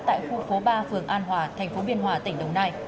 tại khu phố ba phường an hòa thành phố biên hòa tỉnh đồng nai